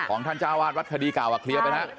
ของท่านจ้าวาสวัดคดีกาวเขียวไปนะ